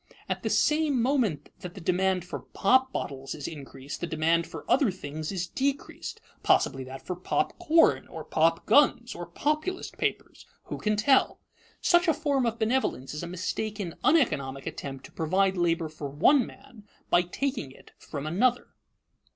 At the same moment that the demand for pop bottles is increased, the demand for other things is decreased, possibly that for pop corn or pop guns or Populist papers who can tell? Such a form of benevolence is a mistaken, uneconomic attempt to provide labor for one man by taking it from another.